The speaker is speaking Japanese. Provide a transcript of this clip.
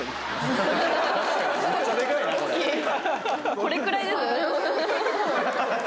これくらいですね。